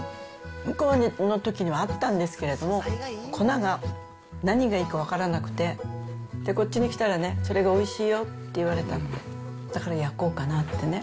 向こうのときはあったんですけど、粉が何がいいか分からなくて、こっちに来たらね、それがおいしいよって言われたので、だから焼こうかなってね。